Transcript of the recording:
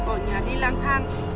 ở nhà đi lang thang